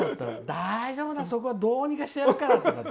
大丈夫だ、そこはどうにかしてやるからって。